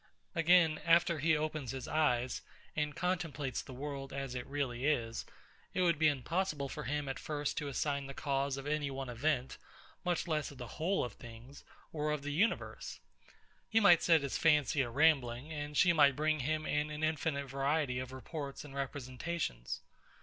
Again; after he opens his eyes, and contemplates the world as it really is, it would be impossible for him at first to assign the cause of any one event, much less of the whole of things, or of the universe. He might set his fancy a rambling; and she might bring him in an infinite variety of reports and representations.